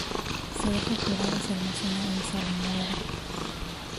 Se deja curar y se almacena en salmuera.